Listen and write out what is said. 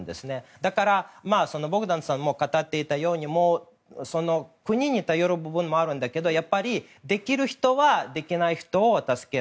だから、ボグダンさんも語っていたように国に頼る部分もあるんだけどできる人はできない人を助ける。